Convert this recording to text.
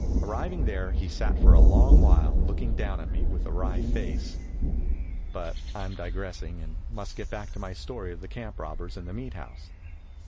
Arriving there he sat for a long while, looking down at me with a wry face. But I am digressing, and must get back to my story of the camp robbers and the meat house.